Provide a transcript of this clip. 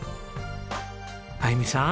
あゆみさん